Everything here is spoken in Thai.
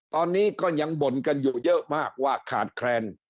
ตอนนี้ก็ยังบ่นกันอยู่เยอะมากว่าขาดแคลน